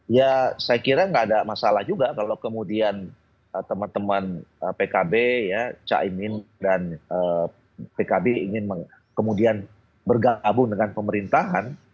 ya saya kira nggak ada masalah juga kalau kemudian teman teman pkb caimin dan pkb ingin kemudian bergabung dengan pemerintahan